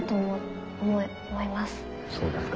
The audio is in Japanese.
そうですか。